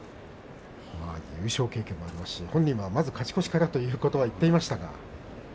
優勝経験もありますし本人はまず勝ち越しかなと言っていました。